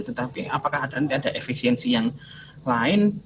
tetapi apakah ada efisiensi yang lain